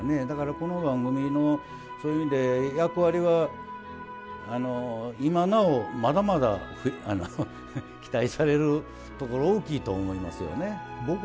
だからこの番組のそういう意味で役割は今なおまだまだ期待されるところ大きいと思いますよね。